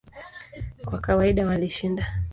Kwa kawaida walishinda.